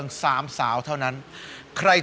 คนที่ทำกิโลทองน้อยที่สุด